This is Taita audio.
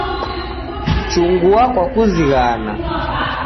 Chungua kwa kuzighana.